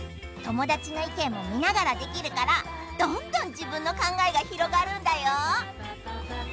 友達の意見も見ながらできるからどんどん自分の考えが広がるんだよ。